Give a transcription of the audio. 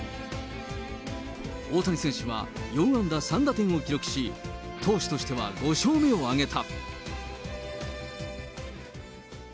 大谷選手は４安打３打点を記録し、投手としては５勝目を挙げた。